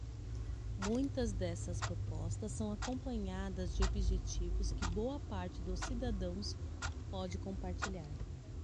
Muitas dessas propostas são acompanhadas de objetivos que boa parte dos cidadãos pode compartilhar.